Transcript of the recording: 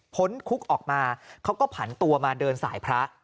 คุกออกมาเขาก็ผันตัวมาเดินสายพระ